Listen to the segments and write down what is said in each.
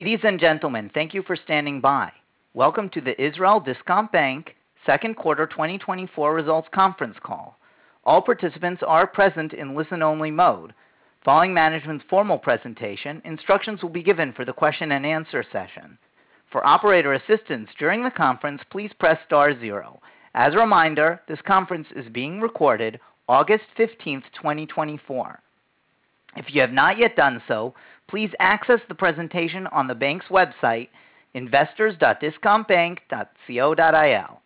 Ladies and gentlemen, thank you for standing by. Welcome to the Israel Discount Bank second quarter 2024 results conference call. All participants are present in listen-only mode. Following management's formal presentation, instructions will be given for the question and answer session. For operator assistance during the conference, please press star zero. As a reminder, this conference is being recorded August 15th, 2024. If you have not yet done so, please access the presentation on the bank's website, investors.discountbank.co.il.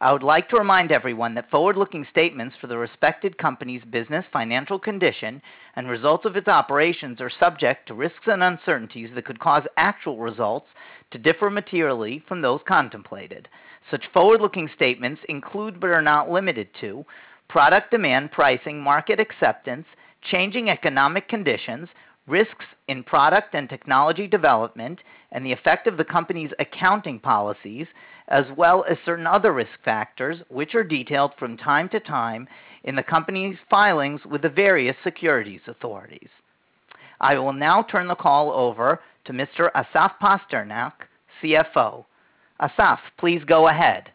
I would like to remind everyone that forward-looking statements for the respective company's business, financial condition, and results of its operations are subject to risks and uncertainties that could cause actual results to differ materially from those contemplated. Such forward-looking statements include, but are not limited to, product demand, pricing, market acceptance, changing economic conditions, risks in product and technology development, and the effect of the company's accounting policies, as well as certain other risk factors, which are detailed from time to time in the company's filings with the various securities authorities. I will now turn the call over to Mr. Asaf Pasternak, CFO. Asaf, please go ahead.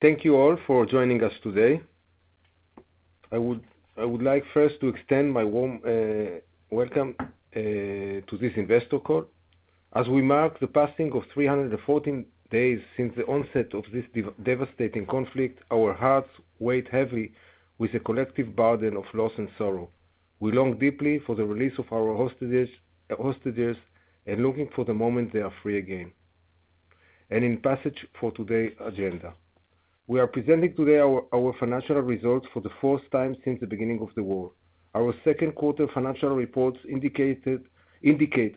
Thank you all for joining us today. I would like first to extend my warm welcome to this investor call. As we mark the passing of 314 days since the onset of this devastating conflict, our hearts weigh heavy with a collective burden of loss and sorrow. We long deeply for the release of our hostages, hostages, and looking for the moment they are free again. And passing to today's agenda, we are presenting today our financial results for the first time since the beginning of the war. Our second quarter financial reports indicate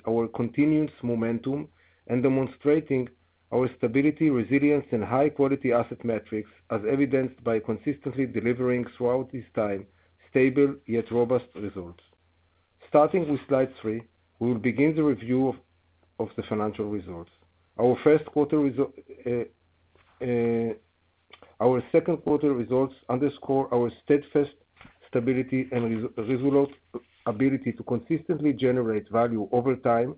our continuous momentum and demonstrating our stability, resilience and high-quality asset metrics, as evidenced by consistently delivering throughout this time, stable yet robust results. Starting with slide three, we will begin the review of the financial results. Our first quarter resu- Our second quarter results underscore our steadfast stability and resolute ability to consistently generate value over time,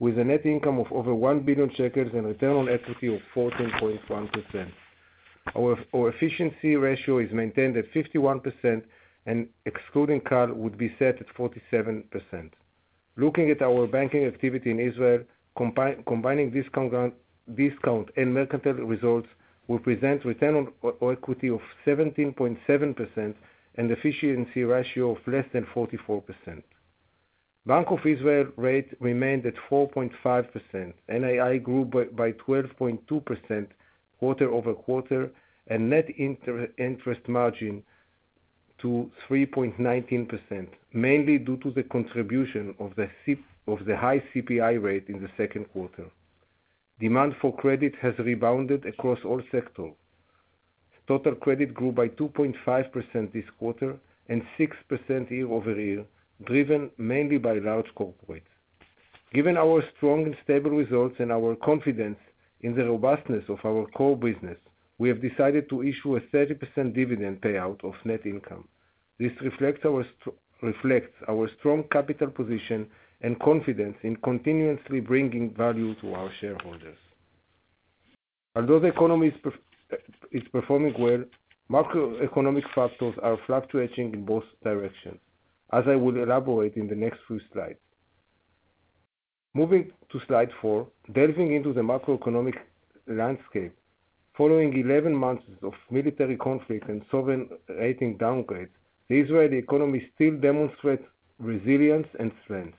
with a net income of over 1 billion shekels and return on equity of 14.1%. Our efficiency ratio is maintained at 51%, and excluding card, would be set at 47%. Looking at our banking activity in Israel, combining Discount and Mercantile results will present return on equity of 17.7% and efficiency ratio of less than 44%. Bank of Israel rate remained at 4.5%. NII grew by 12.2% quarter-over-quarter, and net interest margin to 3.19%, mainly due to the contribution of the high CPI rate in the second quarter. Demand for credit has rebounded across all sectors. Total credit grew by 2.5% this quarter and 6% year-over-year, driven mainly by large corporates. Given our strong and stable results and our confidence in the robustness of our core business, we have decided to issue a 30% dividend payout of net income. This reflects our strong capital position and confidence in continuously bringing value to our shareholders. Although the economy is performing well, macroeconomic factors are fluctuating in both directions, as I will elaborate in the next few slides. Moving to slide four, delving into the macroeconomic landscape. Following 11 months of military conflict and sovereign rating downgrades, the Israeli economy still demonstrates resilience and strength.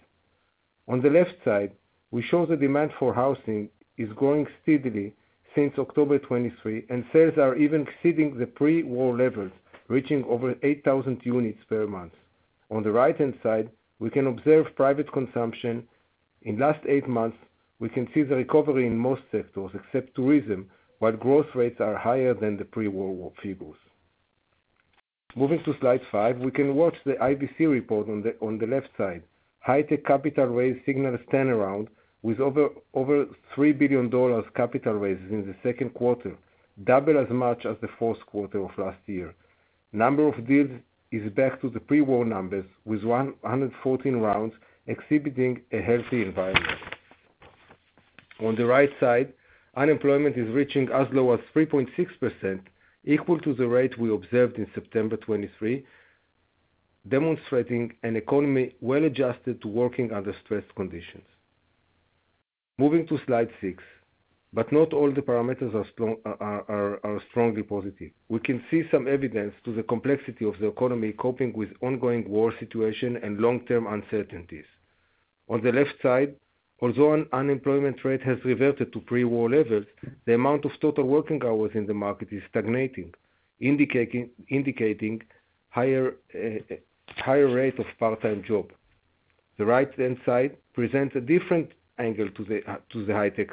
On the left side, we show the demand for housing is growing steadily since October 2023, and sales are even exceeding the pre-war levels, reaching over 8,000 units per month. On the right-hand side, we can observe private consumption. In last eight months, we can see the recovery in most sectors, except tourism, while growth rates are higher than the pre-war figures. Moving to slide five, we can watch the IVC report on the left side. High tech capital raise signals turnaround with over $3 billion capital raises in the second quarter, double as much as the fourth quarter of last year. Number of deals is back to the pre-war numbers, with 114 rounds, exhibiting a healthy environment. On the right side, unemployment is reaching as low as 3.6%, equal to the rate we observed in September 2023, demonstrating an economy well-adjusted to working under stressed conditions. Moving to slide six, but not all the parameters are strongly positive. We can see some evidence to the complexity of the economy, coping with ongoing war situation and long-term uncertainties. On the left side, although unemployment rate has reverted to pre-war levels, the amount of total working hours in the market is stagnating, indicating higher rate of part-time job. The right-hand side presents a different angle to the high tech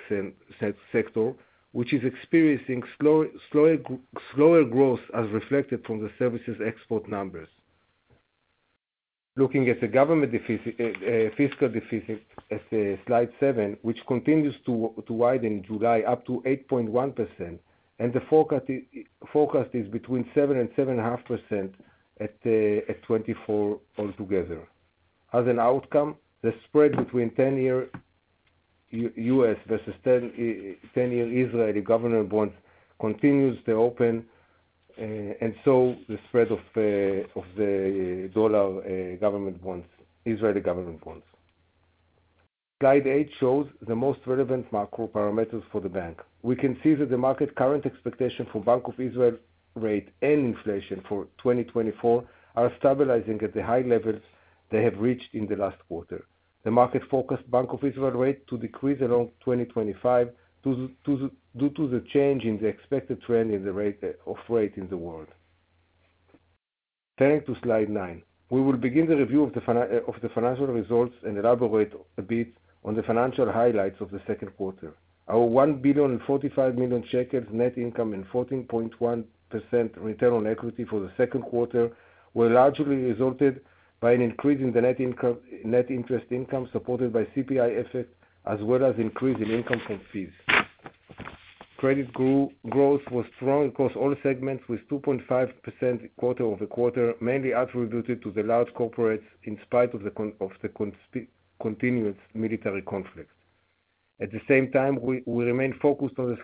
sector, which is experiencing slower growth, as reflected from the services export numbers. Looking at the government fiscal deficit, as slide seven, which continues to widen in July up to 8.1%, and the forecast is between 7%-7.5% at 2024 altogether. As an outcome, the spread between 10-year-... U.S. versus 10-year Israeli government bonds continues to open, and so the spread of the dollar government bonds, Israeli government bonds. Slide eight shows the most relevant macro parameters for the bank. We can see that the market current expectation for Bank of Israel rate and inflation for 2024 are stabilizing at the high levels they have reached in the last quarter. The market forecasts Bank of Israel rate to decrease around 2025, to the due to the change in the expected trend in the rate of rate in the world. Turning to slide nine. We will begin the review of the financial results and elaborate a bit on the financial highlights of the second quarter. Our 1,045 million shekels net income, and 14.1% return on equity for the second quarter, were largely resulted by an increase in the net income, net interest income, supported by CPI assets, as well as increase in income and fees. Credit growth was strong across all segments, with 2.5% quarter-over-quarter, mainly attributed to the large corporates, in spite of the continuous military conflict. At the same time, we remain focused on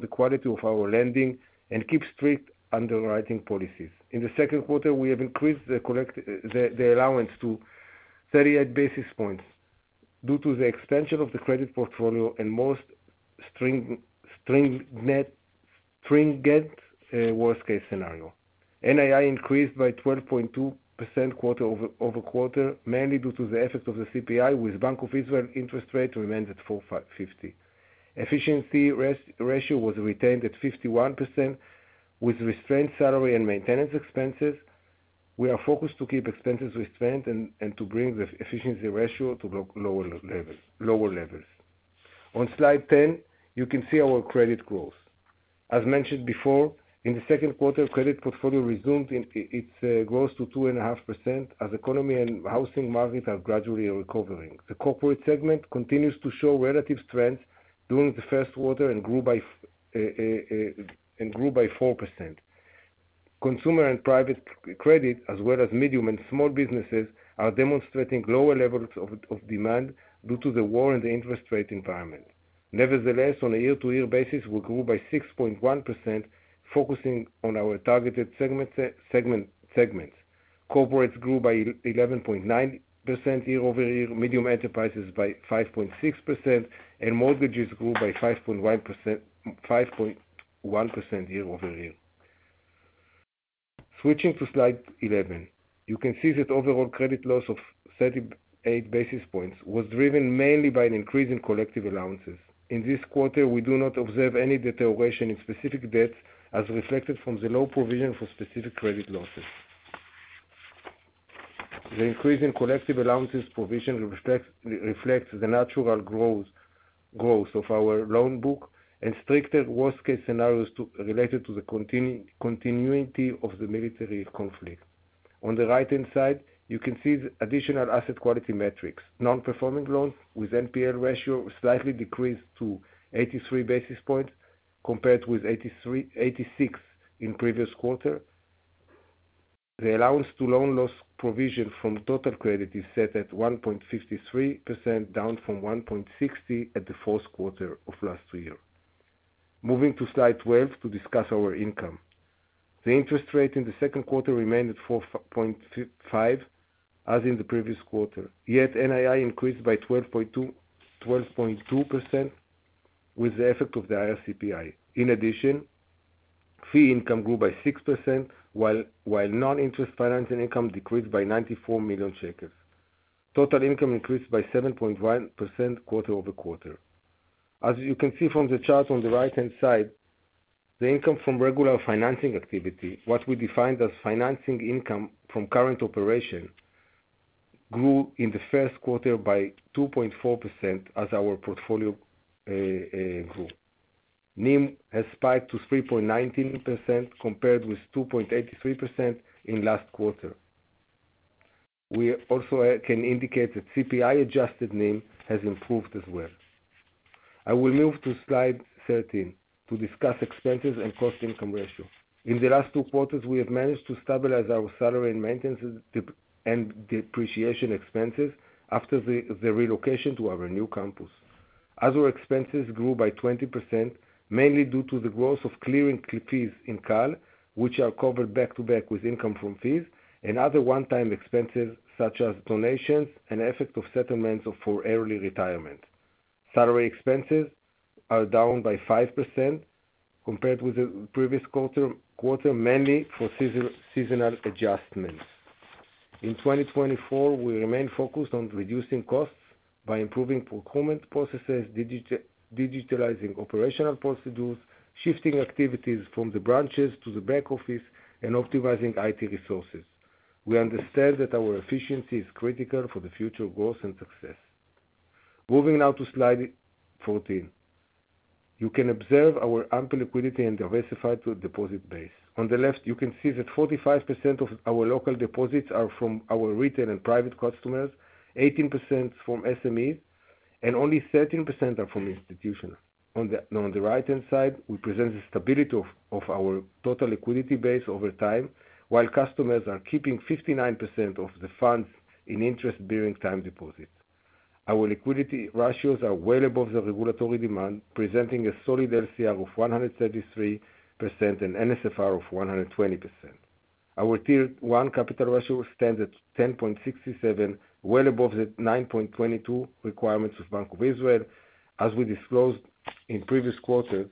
the quality of our lending and keep strict underwriting policies. In the second quarter, we have increased the allowance to 38 basis points, due to the expansion of the credit portfolio and most stringent worst case scenario. NII increased by 12.2% quarter-over-quarter, mainly due to the effect of the CPI, with Bank of Israel interest rate remained at 4.50%. Efficiency ratio was retained at 51%, with restrained salary and maintenance expenses. We are focused to keep expenses restrained and to bring the efficiency ratio to lower levels. On slide 10, you can see our credit growth. As mentioned before, in the second quarter, credit portfolio resumed in its growth to 2.5%, as economy and housing markets are gradually recovering. The corporate segment continues to show relative strength during the first quarter and grew by 4%. Consumer and private credit, as well as medium and small businesses, are demonstrating lower levels of demand due to the war and the interest rate environment. Nevertheless, on a year-over-year basis, we grew by 6.1%, focusing on our targeted segments. Corporates grew by 11.9% year-over-year, medium enterprises by 5.6%, and mortgages grew by 5.1%, 5.1% year-over-year. Switching to slide 11. You can see that overall credit loss of 38 basis points was driven mainly by an increase in collective allowances. In this quarter, we do not observe any deterioration in specific debts, as reflected from the low provision for specific credit losses. The increase in collective allowances provision reflects the natural growth of our loan book and stricter worst-case scenarios related to the continuity of the military conflict. On the right-hand side, you can see the additional asset quality metrics. Non-performing loans with NPL ratio slightly decreased to 83 basis points, compared with 86 in previous quarter. The allowance to loan loss provision from total credit is set at 1.53%, down from 1.60% at the fourth quarter of last year. Moving to slide 12 to discuss our income. The interest rate in the second quarter remained at 4.5, as in the previous quarter, yet NII increased by 12.2% with the effect of the higher CPI. In addition, fee income grew by 6%, while non-interest financing income decreased by 94 million shekels. Total income increased by 7.1% quarter-over-quarter. As you can see from the chart on the right-hand side, the income from regular financing activity, what we define as financing income from current operation, grew in the first quarter by 2.4% as our portfolio grew. NIM has spiked to 3.19%, compared with 2.83% in last quarter. We also can indicate that CPI adjusted NIM has improved as well. I will move to slide 13 to discuss expenses and cost income ratio. In the last two quarters, we have managed to stabilize our salary and maintenance and depreciation expenses after the relocation to our new campus. Other expenses grew by 20%, mainly due to the growth of clearing fees in Cal, which are covered back-to-back with income from fees and other one-time expenses, such as donations and effect of settlements for early retirement. Salary expenses are down by 5% compared with the previous quarter, mainly for seasonal adjustments. In 2024, we remain focused on reducing costs by improving procurement processes, digitalizing operational procedures, shifting activities from the branches to the back office, and optimizing IT resources. We understand that our efficiency is critical for the future growth and success. Moving now to slide 14. You can observe our ample liquidity and diversified to deposit base. On the left, you can see that 45% of our local deposits are from our retail and private customers, 18% from SMEs, and only 13% are from institutions. On the right-hand side, we present the stability of our total liquidity base over time, while customers are keeping 59% of the funds in interest-bearing time deposits. Our liquidity ratios are well above the regulatory demand, presenting a solid LCR of 133% and NSFR of 120%. Our Tier 1 capital ratio stands at 10.67, well above the 9.22 requirements of Bank of Israel. As we disclosed in previous quarters,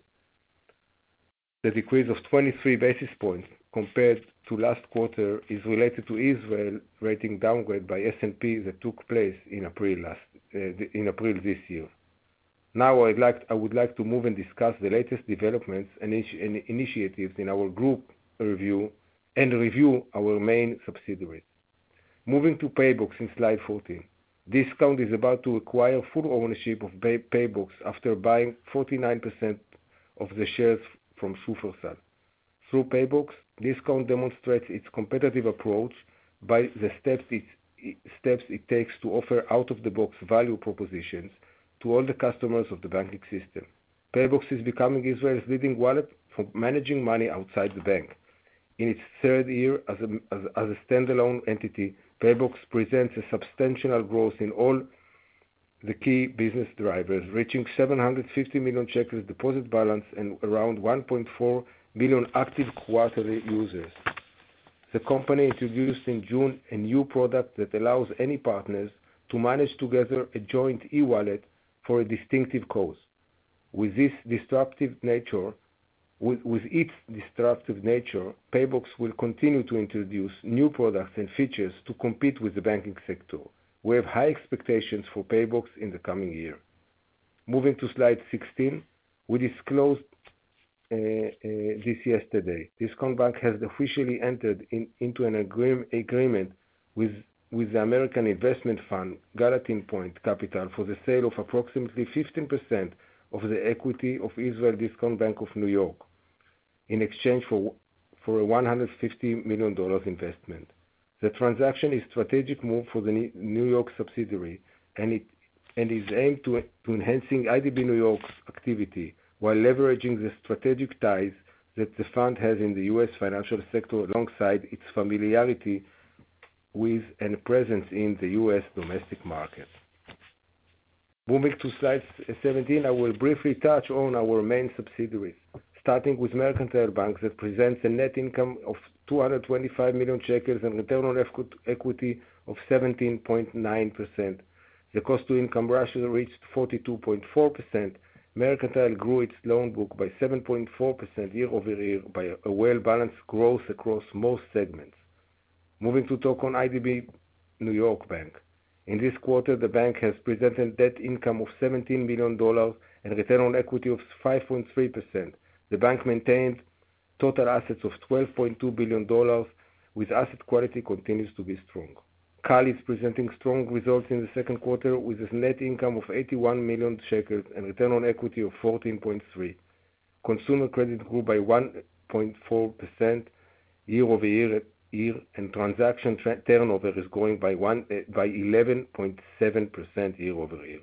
the decrease of 23 basis points compared to last quarter is related to Israel rating downgrade by S&P that took place in April this year. Now, I would like to move and discuss the latest developments and initiatives in our group review, and review our main subsidiaries. Moving to PayBox in slide 14. Discount is about to acquire full ownership of PayBox after buying 49% of the shares from Shufersal. Through PayBox, Discount demonstrates its competitive approach by the steps it takes to offer out-of-the-box value propositions to all the customers of the banking system. PayBox is becoming Israel's leading wallet for managing money outside the bank. In its third year as a standalone entity, PayBox presents substantial growth in all the key business drivers, reaching 750 million deposit balance and around 1.4 million active quarterly users. The company introduced in June a new product that allows any partners to manage together a joint e-wallet for a distinctive cause. With its disruptive nature, PayBox will continue to introduce new products and features to compete with the banking sector. We have high expectations for PayBox in the coming year. Moving to slide 16, we disclosed this yesterday. Discount Bank has officially entered into an agreement with the American investment fund, Gallatin Point Capital, for the sale of approximately 15% of the equity of Israel Discount Bank of New York, in exchange for a $150 million investment. The transaction is strategic move for the New York subsidiary, and is aimed to enhancing IDB New York's activity, while leveraging the strategic ties that the fund has in the U.S. financial sector, alongside its familiarity with and presence in the U.S. domestic market. Moving to slide 17, I will briefly touch on our main subsidiaries, starting with Mercantile Bank, that presents a net income of 225 million shekels and return on equity, equity of 17.9%. The cost to income ratio reached 42.4%. Mercantile grew its loan book by 7.4% year-over-year by a well-balanced growth across most segments. Moving to talk on IDB New York Bank. In this quarter, the bank has presented net income of $17 million and return on equity of 5.3%. The bank maintains total assets of $12.2 billion, with asset quality continues to be strong. Cal is presenting strong results in the second quarter, with its net income of 81 million shekels and return on equity of 14.3. Consumer credit grew by 1.4% year-over-year, and transaction turnover is growing by eleven point seven percent year-over-year.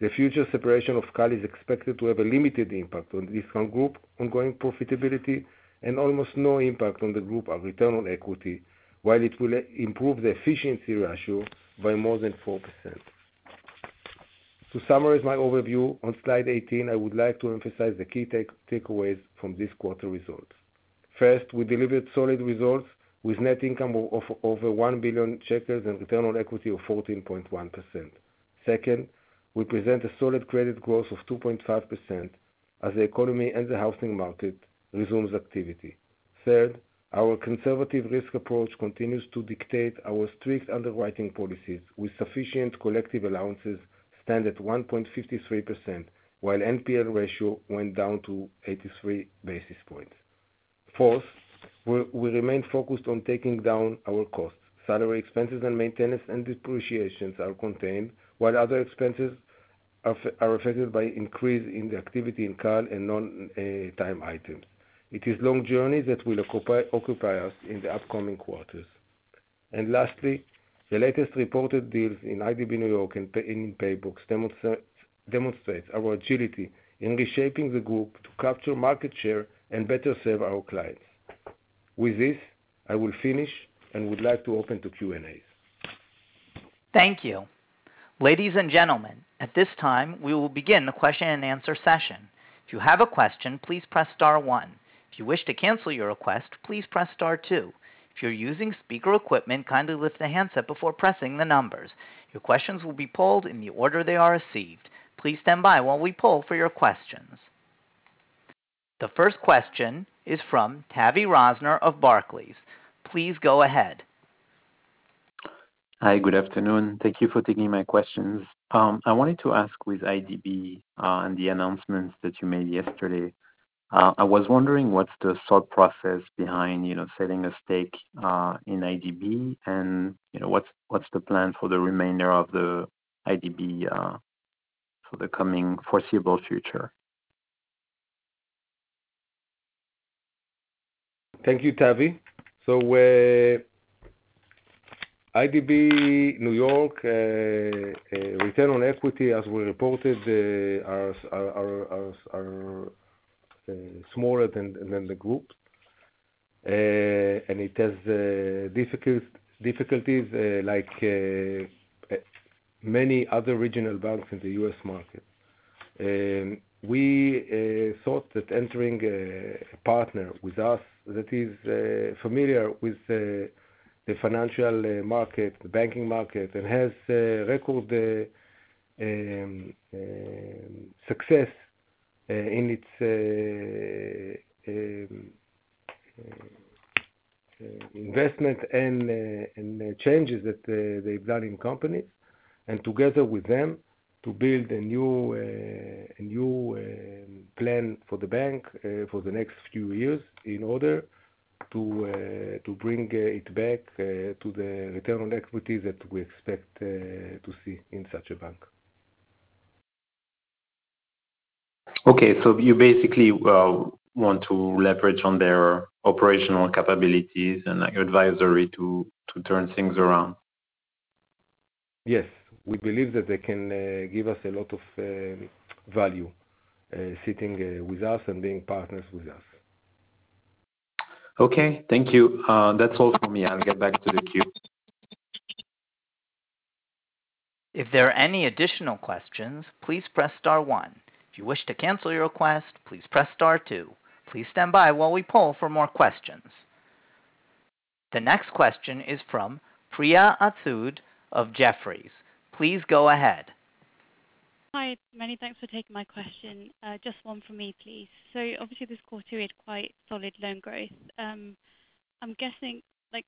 The future separation of Cal is expected to have a limited impact on Discount Group ongoing profitability, and almost no impact on the group our return on equity, while it will improve the efficiency ratio by more than 4%. To summarize my overview on slide 18, I would like to emphasize the key takeaways from this quarter results. First, we delivered solid results with net income of over 1 billion shekels and return on equity of 14.1%. Second, we present a solid credit growth of 2.5% as the economy and the housing market resumes activity. Third, our conservative risk approach continues to dictate our strict underwriting policies, with sufficient collective allowances stand at 1.53%, while NPL ratio went down to 83 basis points. Fourth, we remain focused on taking down our costs. Salary expenses and maintenance and depreciations are contained, while other expenses are affected by increase in the activity in Cal and non-time items. It is long journey that will occupy us in the upcoming quarters. And lastly, the latest reported deals in IDB New York and PayBox demonstrates our agility in reshaping the group to capture market share and better serve our clients. With this, I will finish and would like to open to Q&A. Thank you. Ladies and gentlemen, at this time, we will begin the question and answer session. If you have a question, please press star one. If you wish to cancel your request, please press star two. If you're using speaker equipment, kindly lift the handset before pressing the numbers. Your questions will be polled in the order they are received. Please stand by while we poll for your questions. The first question is from Tavy Rosner of Barclays. Please go ahead. Hi, good afternoon. Thank you for taking my questions. I wanted to ask, with IDB, and the announcements that you made yesterday, I was wondering, what's the thought process behind, you know, selling a stake, in IDB? And, you know, what's, what's the plan for the remainder of the IDB, for the coming foreseeable future? Thank you, Tavy. IDB New York return on equity, as we reported, are smaller than the group... and it has difficulties, like many other regional banks in the U.S. market. We thought that entering a partner with us that is familiar with the financial market, the banking market, and has record success in its investment and changes that they've done in companies, and together with them to build a new plan for the bank, for the next few years in order to bring it back to the return on equity that we expect to see in such a bank. Okay. So you basically want to leverage on their operational capabilities and, like, advisory to, to turn things around? Yes. We believe that they can give us a lot of value sitting with us and being partners with us. Okay, thank you. That's all from me. I'll get back to the queue. If there are any additional questions, please press star one. If you wish to cancel your request, please press star two. Please stand by while we poll for more questions. The next question is from Priya Rathod of Jefferies. Please go ahead. Hi, many thanks for taking my question. Just one from me, please. So obviously, this quarter, we had quite solid loan growth. I'm guessing, like,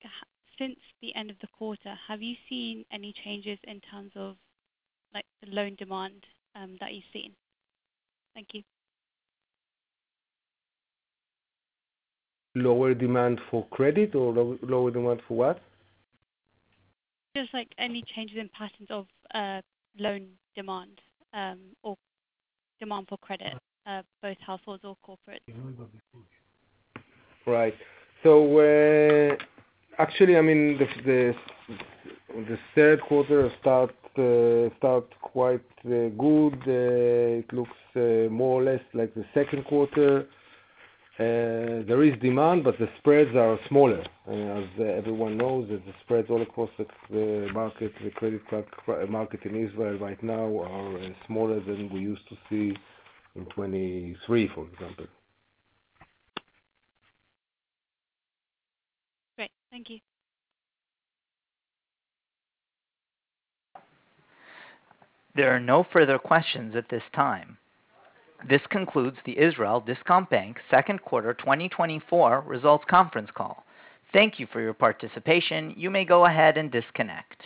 since the end of the quarter, have you seen any changes in terms of, like, the loan demand, that you've seen? Thank you. Lower demand for credit or lower demand for what? Just, like, any changes in patterns of loan demand, or demand for credit, both households or corporate? Right. So, actually, I mean, the third quarter start quite good. It looks more or less like the second quarter. There is demand, but the spreads are smaller. As everyone knows, that the spreads all across the market, the credit card market in Israel right now are smaller than we used to see in 2023, for example. Great. Thank you. There are no further questions at this time. This concludes the Israel Discount Bank second quarter 2024 results conference call. Thank you for your participation. You may go ahead and disconnect.